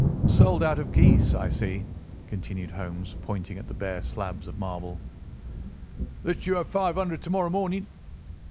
"Sold out of geese, I see," continued Holmes, pointing at the bare slabs of marble. "Let you have five hundred to morrow morning."